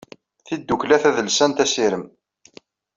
Tidukla tadelsant Asirem.